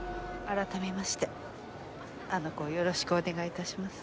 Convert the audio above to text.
改めましてあの子をよろしくお願い致します。